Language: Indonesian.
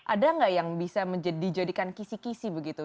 ada nggak yang bisa dijadikan kisi kisi begitu